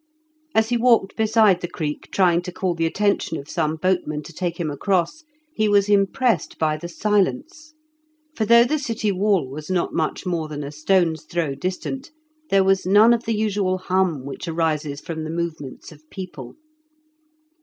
As he walked beside the creek trying to call the attention of some boatman to take him across, he was impressed by the silence, for though the city wall was not much more than a stone's throw distant, there was none of the usual hum which arises from the movements of people.